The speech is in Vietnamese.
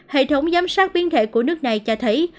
hệ thống giám sát biến thể của nước này cho thấy